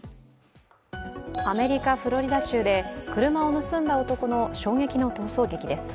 アメリカ・フロリダ州で車を盗んだ男の衝撃の逃走劇です。